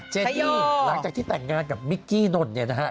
เจนี่หลังจากที่แต่งงานกับมิกกี้นนเนี่ยนะฮะ